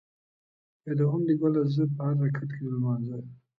یادوم دې ګله زه ـ په هر رکعت کې د لمانځه